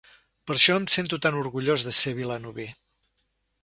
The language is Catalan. Per això em sento tan orgullós de ser vilanoví.